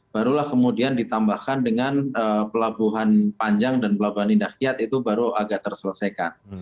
barulah kemudian ditambahkan dengan pelabuhan panjang dan pelabuhan indah kiat itu baru agak terselesaikan